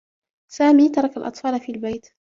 سامي ترك الأطفال في البيت.